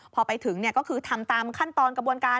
พอไปถึงก็คือทำตามขั้นตอนกระบวนการ